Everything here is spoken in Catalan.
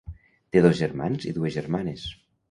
Té dos germans i dues germanes.